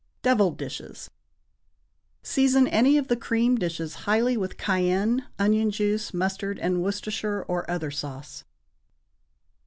=Devilled Dishes.= Season any of the creamed dishes highly with cayenne, onion juice, mustard, and Worcestershire or other sauce.